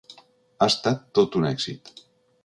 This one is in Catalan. Ha estat tot un èxit.